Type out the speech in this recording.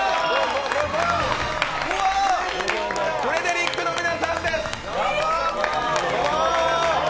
フレデリックの皆さんです！